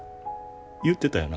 言ってたよな。